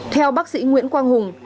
theo bác sĩ nguyễn quang hùng